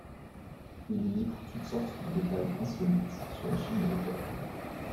Il y livre toutes sortes de détails insolites sur la Chine et le Japon.